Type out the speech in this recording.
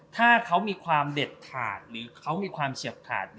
ถ้าเขามีความเด็ดขาดหรือเขามีความเฉียบขาด